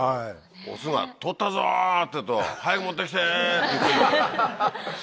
オスが「捕ったぞ！」って言うと「早く持ってきて！」って言ってんだね。